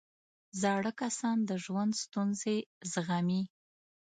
زاړه کسان د ژوند ستونزې زغمي